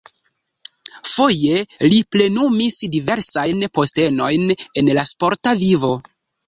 Foje li plenumis diversajn postenojn en la sporta vivo.